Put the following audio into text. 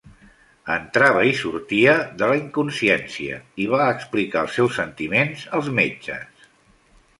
Entrava i sortia de la inconsciència i va explicar els seus sentiments als metges.